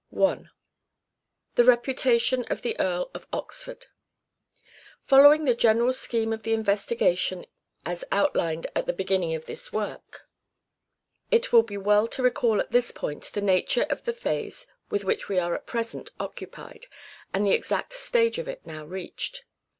I THE REPUTATION OF THE [EARL OF OXFORD Following the general scheme of the investigation as outlined at the beginning of this work, it will be 14 209 " 210 " SHAKESPEARE " IDENTIFIED well to recall at this point the nature of the phase with which we are at present occupied, and the exact stage of it now reached.